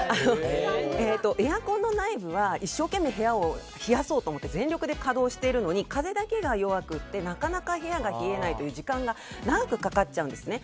エアコンの内部は一生懸命部屋を冷やそうと思って稼働しているのに風だけが弱くてなかなか部屋が冷えないという時間が長くかかっちゃうんですね。